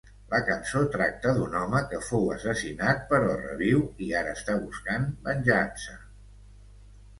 La cançó tracta d'un home que fou assassinat però reviu, i ara està buscant venjança.